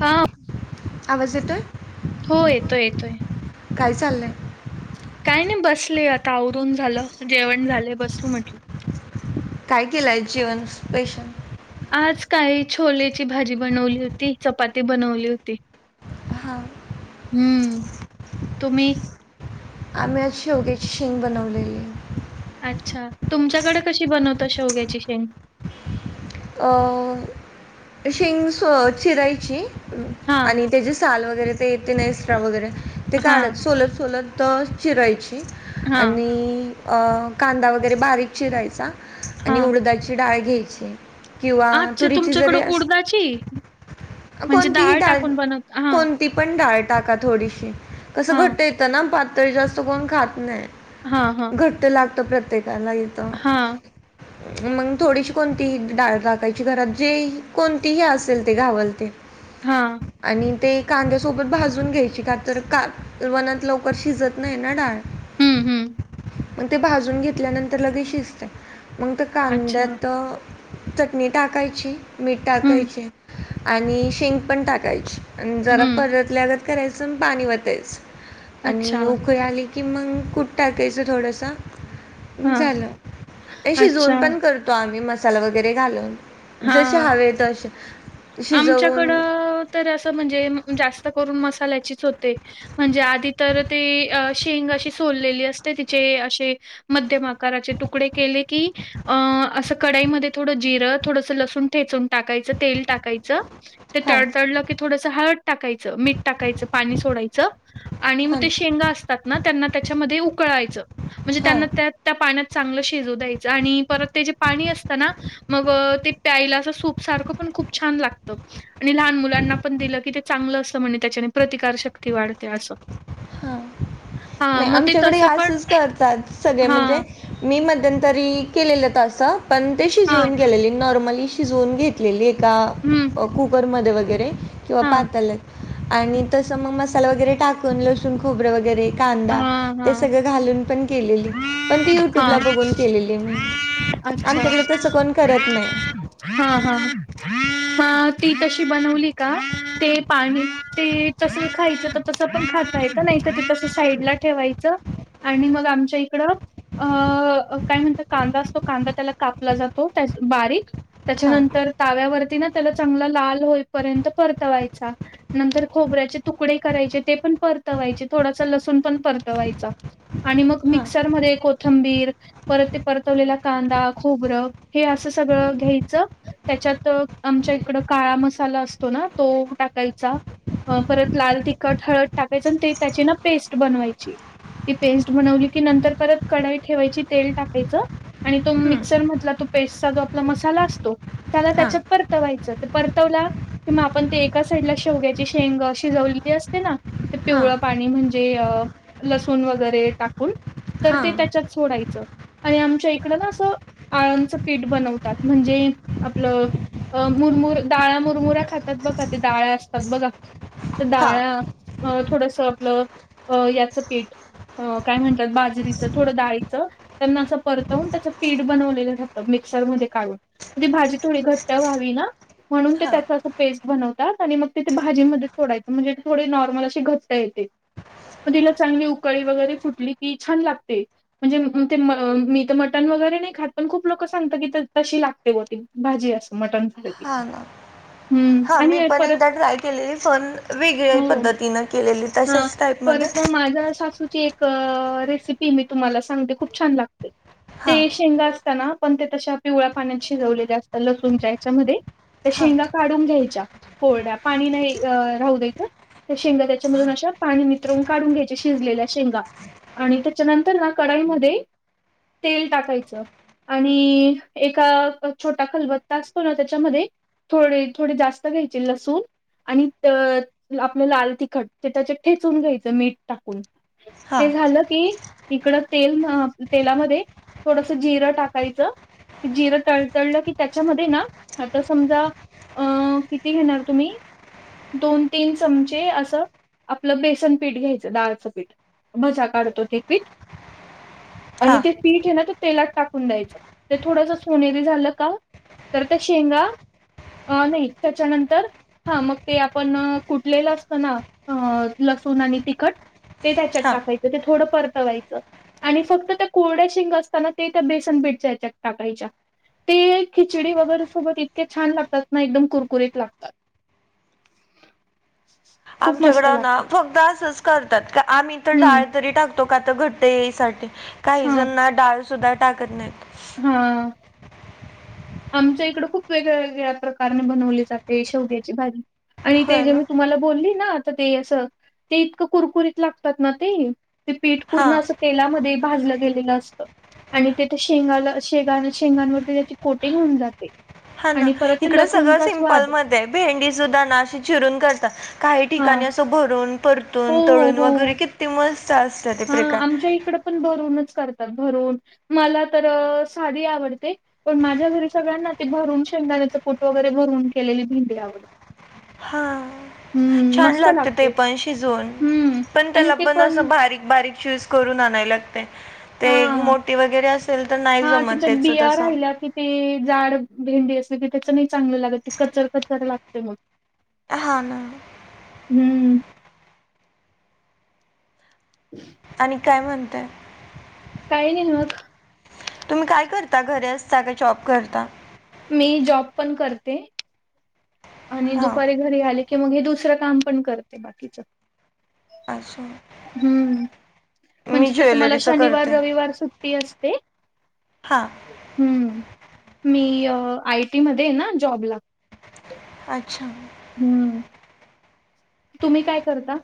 हा आवाज येतोय हो येतोय येतोय काय चाललंय काय नाही बसले आता आवरून झालं जेवण झाले बसू म्हटलं काय केलंय आज जेवण स्पेशन आज काही छोलेची भाजी बनवली होती चपाती बनवली होती हं हम्म तुम्ही आम्ही आज शेवग्याची शेंग बनवलेली अच्छा तुमच्याकडे कशी बनवतात शेवग्याची शेंग अ शेंग स चिरायची हा आणि त्याची साल वगैरे तर येते ना एक्स्ट्रा वगैरे ते हा काढत सोलत सोलत तर चिरायची हा आणि अ कांदा वगैरे बारीक चिरायचा हा आणि उरदाची डाळ घ्यायची किंवा अच्छा तुरीची तुमच्याकडे जरी अस उडदाची म्हणजे कोणतीही डाळ टाकून बनवत हा कोणती पण डाळ टाका थोडीशी कसं हा घट येतं ना पातळी जास्त कोण खात हा हा नाही घट्ट लागत प्रत्येकाला इथं. हा मग थोडीशी कोणतीही डाळ टाकायची घरात जे कोणतीही असेल ते घावल ते हा आणि ते कांद्यासोबत भाजून घ्यायची का तर का वनात लवकर शिजत नाही ना डाळ [unintelligible] हम्म हम्म मग ते भाजून घेतल्यानंतर लगेच शिजते मग त्या अच्छा कांद्यात चटणी टाकायची मीठ हम्म टाकायची आणि शेंग पण टाकायची आणि जरा हम्म परतल्यागत करायचं पाणी वतायचं आणि अच्छा उकळी आली की मग कुठ टाकायचं थोडंस हा झालं. अच्छा शिजून पण करतो आम्ही मसाला वगैरे घालून जसे हा हवे तस आमच्याकडं तर असं म्हणजे जास्त करून मस्त लायच होते म्हणजे आधी तर ते शेंग अशी सोोललेली असते तिचे अशे मध्यम आकाराचे तुकडे केले की अ असं कडाईमध्ये थोडं जिर थोडस लसून ठेचून टाकायचं तेल टाकायचं ते हां, तडतळलं की थोडस हळद टाकायचं मीठ टाकायचं पाणी सोडयचं आणि मग हां, ते शेंगा असतात ना त्यांना त्याच्या मध्ये उकळवायचं म्हणजे हां, त्याना त्यात पाण्यात चांगलं शिजू द्यायचं आणि परत ते जे पाणी असतना मग ते प्यायला आस सूप सारख पण खूप छान लागत आणि लहान मुलांना पण दिलं की ते चगलं अस म्हने त्याच्याने प्रतिकारशक्ती वाढते असं हं हां, नाही मग ते आमच्याकडे तसं पण असच करतात सगळे म्हणजे हां, मी [unintelligible] मध्यंतरी केलेलं तस पण ते हां, शिजूवून गेलेली नॉर्मली शिजून घेतलेली का हं, कुकरमध्ये वगैरे किंवा हां. पातेलात आणि तस मग मसाला वगैरे टाकून लसूण खोबरं वगैरे कांदा हां, ते हां, सगळं घालून पण केलेली पण ती हां, युट्यूबला बघून केलेली मी आमच्याकडे अच्छा तसं कोण करत ह नाही. ह ह. [inaudible] म ती तशी बनवली का ते पाणी ते तस खायचं त तस पण खात [unintelligible] खायचं नाही त ते तसं साईडला ठेवायचं, आणि मग आमचे इकड अ काय म्हणता कांदा असतो कांदा त्याला कापला जातो त्या बारीक हां. त्याच्यानंतर ताव्यावर ती ना त्याला चांगला लाल होई पर्यंत परतवायचा नंतर खोबऱ्याचे तुकडे करायचे ते पण परतवायचे थोडासा लसूण पण परतवायचा आणि मग मी हां क्सर मध्ये कोथंबीर परत ते परतवलेला कांदा खोबरं हे असं सगळं घ्याय च त्याच्यात आमच्या इकड काळा मसाला असतो ना तो टाकायचा. परत लाल, तिखट, हळद टाकायचं आण ते त्याची ना पेस्ट बनवायची. ती पेस्ट बनवली की नंतर परत कडाई ठेवायची तेल टाकायच आणि तो हं, मिक्सर मधला तो पेस्टचा जो आपला मसा असतो त्या हां त्याच्यात परतवायच. परतवला कि म आपण एका साईडला शेवग्याची शेंग शिजवली असते ना ते हां पिवळ पाणी म्हणजे अ लसण वगैरे टाकून तर हां ते त्याच्यात सोडाय च आणि आमच्या इकड ना असं आळमचं पीठ बनवतात म्हणजे आपलं अ मुरमुर डाळ्या मुरमुऱ्या खातात बघा ते डाळ्या असतात बघा. हां डाळा थोडस आपलं याचं पीठ काय म्हण बाजरीच थोडं दाळीच त्यांना असं परतवून त्याच पीठ बनवलेलं रातं मिक्सर मध्ये काढून. ती भाजी थोडी घट्ट व्हावी ना. म्हणून ते हां त्याच असं पेस्ट बनवतात. आणि मग ते त्या भाजीमध्ये सोडायचं म्हणजे थोडी नॉर्मल अशी घट येते. ते म तिला चांगली उकळी वगैरे फुटली की छान लागते. म्हणजे ते म मी त मटन वगैरे नाही खात पण खूप लोक सांगत की तशी लागते बा ती भाजी अस मटन. हा ना. हा मी पण एकदा परत ट्राय केलेली पण वेगळ्या पद्धतीने केलेली. हा तशाच टाईपमध्ये परत म माझ अस अशीच एक रेसिपीये. मी तुम्हाला सांगते खूप छान लागते. हां ते शेंगाच पण ते तश पिवळ्या पाण्यात शिजवलेल्या असतात लसूणच्या याच्यामध्ये त्या हां शेंगा काढून घ्यायच्या कोरड्या पाणी नाही राहू द्यायच त्या शेंगा त्या त्याच्या मधून अशा पाणी नित्रून काढून घ्यायच्या. शिजलेल्या शेंगा. आणि त्याच्यानंतर ना कढाईमध्ये तेल टाकायचं. आणि एका छोटा खलबत्ता असतो ना त्याच्यामध्ये थोडे थोडे जास्त घ्यायचे लसूण आणि आपलं लाल तिखट. ते त्याच्या ठेचून घ्यायचं मीठ टाकून हां ते झालं की इकड तेल तेलामध्ये थोडस जिरं टाकायचं. ते जिरं तडतडलं की त्याच्यामध्ये ना आता समजा अ किती घेणार तुम्ही दोन तीन चमचे असं आपलं बेसन पीठ घ्यायचं डाळचं पीठ भजा काढतो ते पीठ. आणि हां ते पीठेना त तेलात टाकून द्यायचं ते थोडस सोनेरी झालं का तर त्या शेंगा अ नाही त्याच्यानंतर हा मग ते आपण कुटलेलं असतं ना, अ लसूण आणि तिखट ते त्याच्यात हां टाकायच. ते थोडं परतवायचं आणि फक्त त्या कोरड्या शेंगा असताना ते त्या बेसन बीठच्या याच्यात टाकायच्या. ते खिचडी वगैरे सोबत इतके छान लागतात ना एकदम कुरकुरीत लागतात. [inaudible] खूप आमच्याकड मस्त ना लागत. फक्त असंच करतात का आम्ही तर हम्म डाळ तरी टाक तो का त घट्ट येई साठी काही हा जणना डाळ सुद्धा टाकत नाहीत. हा. आमच्या इकड खूप वेग्या वेगळ्या प्रकारने बनवली जाते शेवद्याची भाजी आणि ते होय जे ना मी तुम्हाला बोलली ना तर ते असं ते इतकं कुरकुरीत लागतात ना ते ते पीठ पूर्ण हां असं तेलामध्ये भाजलं गेलेलं असत आणि तेथ शेंगाला शे शेंगांवरती त्याची कोटिंग होऊन जात हा ना इकडं सगळं सिमपल वाद मध्ये आहे भेंडी सुद्धा ना अशी चिरून करतात काही हां. ठिकाणी.. भरून हो, परतून हो. तून वगैरे हो. किती मस्त असत प्रकार भरून च करतात मला तर साधी आवडते पण माझ्या घरी सगळ्यांना ते भरून भरून शेंगदाण्याच कूट वगैरे भरून केलेली भिंडी आवडत.. हा छान लागते ते पण शिजून हम्म. पण आणि त्याला ते पण अस बारीक.. बारीक शूज करून आणायला लागते ते मोती वगैरे अस हा तिच्या बिया राहिल्या कि ते.. जाड भेंडी असली की त्याच नाही चांगलं लागत कचर कचर लागते मग अह ना! हम्म आणि काय म्हणतय काही नाही मग! तुम्ही काय करता घरी असता का जॉब करता.. मी जॉब पण करते.. आणि हां, दुपारी घरी आली की मग हे दुसरं काम पण करते बाकीच.. असजून.. म्हणजे तसं मला शनिवार करते. रविवार सुट्टी असते.. हां, हम्म! मी आय टी मध्ये ना जॉबला.. अच्छा! हम्म तुम्ही काय करता!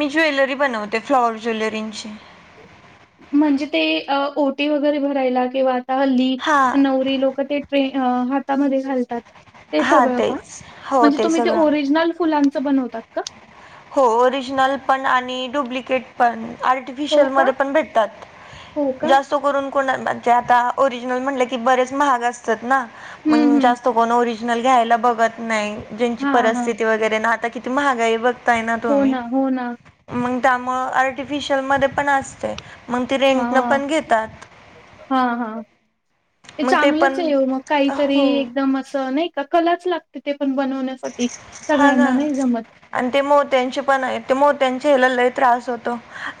मी ज्वेलरी बनवते फ्लॉवर ज्वेलरींची.. म्हणजे ते ओटी वगैरे भरायला किंवा हल्ली हां नवरी लोक ते ट्रेन हातामध्ये घालतात.. ते हां सगळं का तेच हो म्हणजे तुम्ही ते सगळं ओरिजनल फुलांचं बनवतात का. हो ओरिजनल पण आणि डुप्लिकेट पण. हो आर्टिफिशियल का? मध्ये पण भेटतात हो का? जास्त करून.. आ ओरजल म्हनल की बरेच महा हं, हं. असतातत.. घ्यायला बघत नाही ज्यांची हां, हां. परिस्थिती वगैरे आता किती महागाई बघ.. बघताय ना हो तुम्ही हो ना. मग त्यामुळे आर्टिफिशल म पण असते.. मग ते रेंट हां, पण घेतात. हां, हां. ते मग चांगलंच पण आहे मग काहीतरी हो एकदम अस नाही का कलाच लागते ते. पण बनवण्यासाठी हां सगळ्यांना ना नाही जमत. आणि ते मोत्यांचे पण आहे ते मोत्याचे हे ला लय त्रास होतो.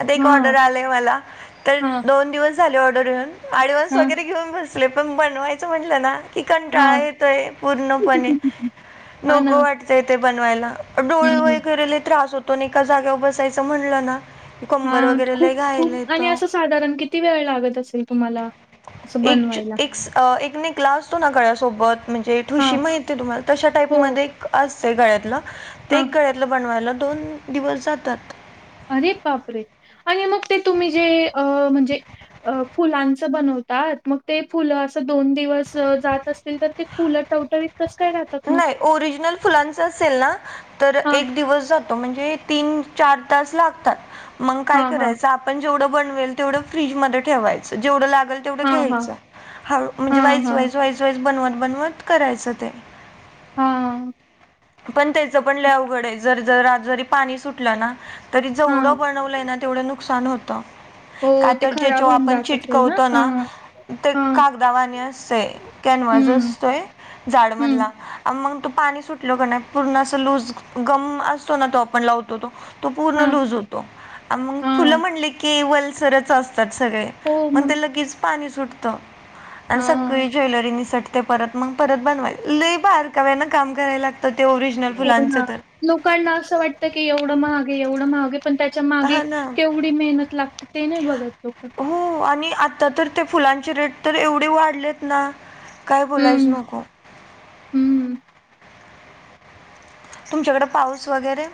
आता एक ऑर्डर हां, आला आहे मला तर हां, दोन दिवस झाले ऑर्डर घेऊन, ऍडव्हान्स हां, वगैरे घेऊन बसले पण बनवायचं म्हटलं ना. कि कंटाळा हां. येतोय पूर्णपणे हां ना. नको वाटत य तेे बनवायला.. डोळे हं. वगैरे लय त्रास होतो एका जागेवर बसायचं म्हटलं ना की हा कंबर वगैरे लय खूप घायला खूप आणि येतो असं साधारण किती वेळ लागत असेल तुम्हाला. असं [unintelligible] एक बनवायला. एक नक ला असतो ना गळ्यासोबत म्हणजे ठुशी हां, माहितीे तुम्हाला तशा टाईप हो, म अस गळ्यातलं हां. एक गळ्यातलं बनवायला दोन दिवस जातात.. अरे बापरे आणि मग ते तुम्ही जे म्हणजे फुलांच बनव. मग ते फुलं अस दोन दिवस जात असतील तर ते फुलं टवटवीत... कसं काय राहतात मग? नाही ओरिजनल फुलांच असेल ना तर हां, एक दिवस जातो म्हणजे तीन चार तास लागतात मग काय हां, हां, कराय आप जवं बनवेल तेवढं फ्रीज मध्ये ठेवायचं जेवढ ला तेवढं हां, हां, घ्यायच हळ म्हणजे हां, वाई हां, वाईस वाई वाईस बनवत बनवत करायचं ते.. हम. पण त्याचं पण लय अवघड आहे. जर जर जरी पाणी सुटलं ना? तरी हां. जेवढं बनवलंय ना तेवढं नुकसान होतं. का हो, त ते खराब जेच्याव्हा होऊन आपण जात असेल चिटकवतो ना? हां, ते हां. कागदावांनी असते. कॅनवास हं, असतोय जाड मधला. हं. आणि मग तो पाणी सुटल का नाही, पूर्ण अस लूज गम असतो ना? तो आपण लावतो तो तो पूर्ण हां, लूज होतो. मग फुलं हां. म्हणले की वल्सरच अस असतात सगळे मग ते लगेच पाणी सुटत आणि हां. सगळी ज्वेलरीनीसाठी ते परत मग परत बनवाय लई बाार का ना काम करायला लागतं ते ओरिजिनल हो फुलांचं ना. तर लोकांना असं वाटत की एवढं महाग आहे एवढं महाग आहे पण त्याच्या मागे हा ना केवढी मेहनत लागते. ते नाही बघत लोक. हो आणि आता तर ते फुलांची रेट तर एवढी वाढलेत ना काय बोलायच हम्म, नको. हम्म. तुमच्याकडे पाऊस वगैरे?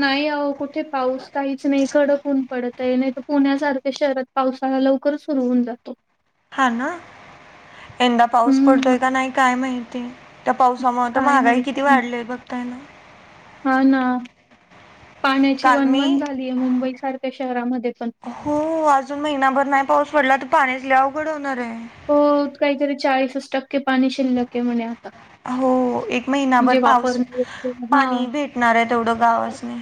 नाही आओ कुठे पाऊस, काहीच नाही. कडक ऊन पडत आहे. नाही तर पुण्यासारख्या शहरात पावसाला लव कर सुर होऊन जातो. हा ना? यंदा पाऊस हम्म, पडतोय का नाही काय माहिती? त्या पावसामुळे तर काय महागाई किती माहिती. वाढली आहे बघताय ना? अ ना. पाण्याची काल वणवण मी झालीय मुंबई सारख्या शहरामध्ये पण. हो अजून महिनाभर नाही पाऊस पडला तर पाणीच ल अवघड होणार आहे. त टक्के पाणी शिललं क म्हने हो एक महिनाभर पाऊस वापरण्या पाणी हां. भेटणार आहे. तेवढं गावासने.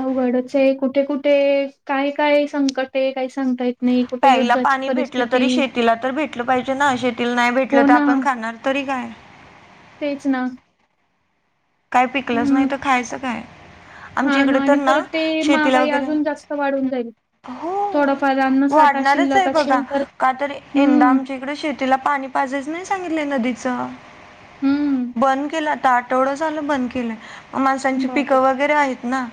अवघडच आहे. कुठे कुठे काय काय संकट आहे काय प्यायला पाणी भेटलं तरी शेतीला तर भेटलं पाहिजे ना? शेतीला नाही भेटलं हो तर ना आपण णार तरी काय? तेच ना. काय पिकलंच हम्म नाही तर खायचं काय? आमच्या हा इकडे ना. तर आणि परत ते शेतीला महागाई वगैरे अजून जास्त वाढून जाईल. हो. थोडाफार अन्न साठा वाढणारच आहे. शिल्लक बघा असेल का तर, यंदा हम्म आमच्याकडे शेतीला पाणी पाजेच नाही सांग नदीच. हम्म बंद केलं आता आठवड झालं बंद केलं. माणसांची बाप पिकं वगैरे आहेत ना?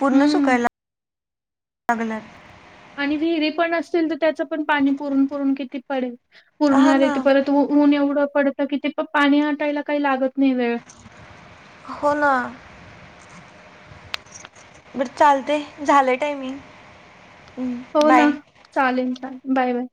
पूर्ण हम्म सुकायला. लागल्यात. आणि विहिरी पण असतील तर, त्याचं पण पाणी पुरून पुरून किती पडेल हा पुरणार आहे. ना ते परत ऊन एवढं पडतं कि ते प पाणी हटायला काही लागत नाही वेळ हो ना. बरं चालते झालंय टायमिंग. हो ना बाय चालेल चालेल बाय बाय.